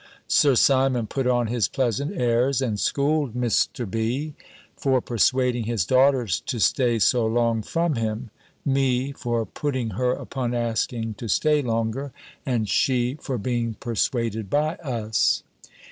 Sir Simon put on his pleasant airs, and schooled Mr. B. for persuading his daughter to stay so long from him; me for putting her upon asking to stay longer; and she for being persuaded by us.